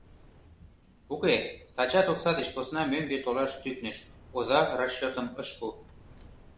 Уке, тачат окса деч посна мӧҥгӧ толаш тӱкныш: оза расчётым ыш пу.